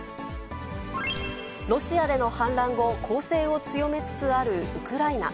ロシアでの反乱後、攻勢を強めつつあるウクライナ。